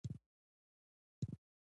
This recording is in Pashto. واک د قانوني اصولو پرته ارزښت نه لري.